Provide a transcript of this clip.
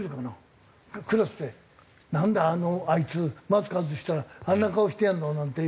クラスで「なんだあいつマスク外したらあんな顔してやんの！」なんて